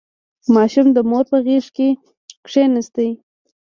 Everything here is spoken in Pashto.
• ماشوم د مور په غېږ کښېناست.